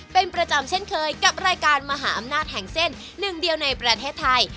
เป็นประจำเช่นเคยกับรายการมหาอำนาจแห่งเส้นหนึ่งเดียวในประเทศไทย